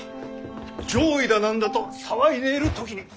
攘夷だ何だと騒いでいる時に。